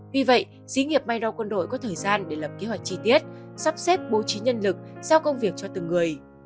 vì vậy xí nghiệp mai đo quân đội có thời gian để lập kế hoạch chi tiết sắp xếp bố trí nhân lực giao công việc cho từng người